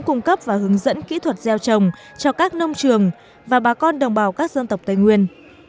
cung cấp và hướng dẫn kỹ thuật gieo trồng cho các nông trường và bà con đồng bào các dân tộc tây nguyên